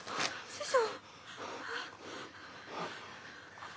師匠！